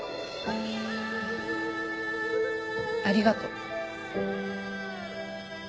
ありがとう。